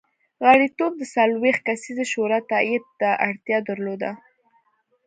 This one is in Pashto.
غړیتوب د څلوېښت کسیزې شورا تایید ته اړتیا درلوده